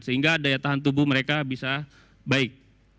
sehingga daya tahan tubuh mereka bisa baik